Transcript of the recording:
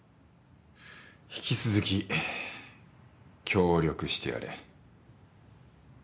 引き続き協力してやれ。